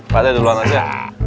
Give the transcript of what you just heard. pak dek duluan aja